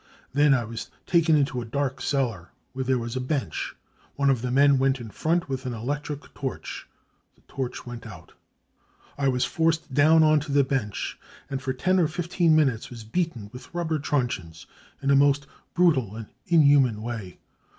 Then I was taken into a dark cellar, where there was a bench ; one of the men went in front with an electric torch. The torch went out. I was forced down on to the bench, and for ten or fifteen minutes was beaten with rubber truncheons in a most brutal and inhuman way.